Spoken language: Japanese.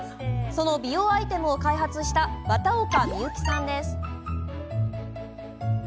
その美容アイテムを開発した綿岡美幸さんです。